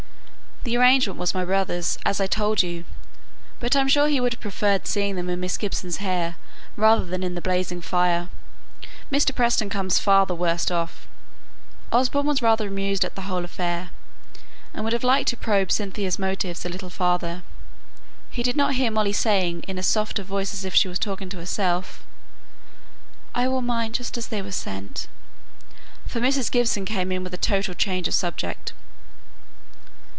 "The arrangement was my brother's, as I told you; but I am sure he would have preferred seeing them in Miss Gibson's hair rather than in the blazing fire. Mr. Preston comes far the worst off." Osborne was rather amused at the whole affair, and would have liked to probe Cynthia's motives a little farther. He did not hear Molly saying in as soft a voice as if she were talking to herself, "I wore mine just as they were sent," for Mrs. Gibson came in with a total change of subject.